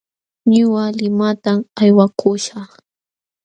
Ñuqa limatam aywakuśhaq.